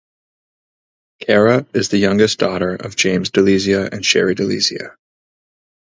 Cara is the youngest daughter of James DeLizia and Sherry DeLizia.